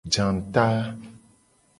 Janguta.